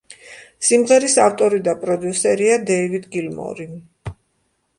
სიმღერის ავტორი და პროდიუსერია დეივიდ გილმორი.